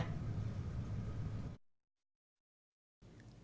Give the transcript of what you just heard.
chuyên gia đình